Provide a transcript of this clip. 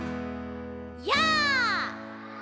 「やあ」